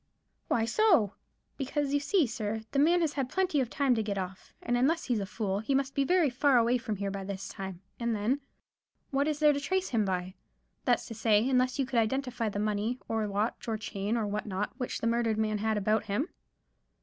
"Why so?" "Because, you see, sir, the man has had plenty of time to get off; and unless he's a fool, he must be far away from here by this time, and then what is there to trace him by—that's to say, unless you could identify the money, or watch and chain, or what not, which the murdered man had about him?"